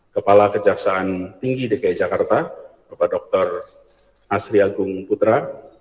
kepala kejaksaan tinggi dki jakarta bapak dr asri agung putra